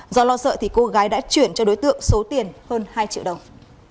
do lo sợ thì cô gái đã chuyển cho đối tượng số tiền hơn hai triệu đồng